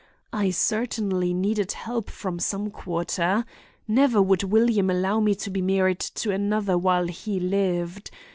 I certainly needed help from some quarter. Never would William allow me to be married to another while he lived.